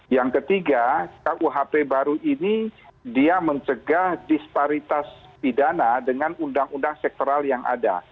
yang ketiga kuhp baru ini dia mencegah disparitas pidana dengan undang undang sektoral yang ada